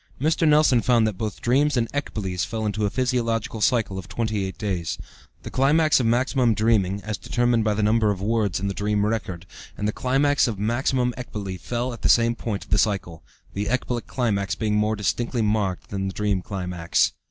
Mr. Nelson found that both dreams and ecboles fell into a physiological cycle of 28 days. The climax of maximum dreaming (as determined by the number of words in the dream record) and the climax of maximum ecbole fell at the same point of the cycle, the ecbolic climax being more distinctly marked than the dream climax.